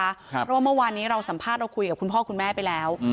เพราะว่าเมื่อวานนี้เราสัมภาษณ์เราคุยกับคุณพ่อคุณแม่ไปแล้ว